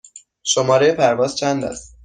شماره پرواز چند است؟